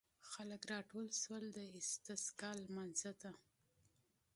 خلک راټول شول د استسقا لمانځه ته.